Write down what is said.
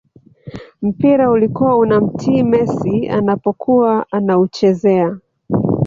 mpira ulikuwa unamtii messi anapokuwa anauchezea